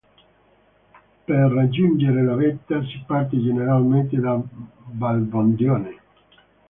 Per raggiungere la vetta si parte generalmente da Valbondione.